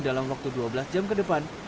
dalam waktu dua belas jam ke depan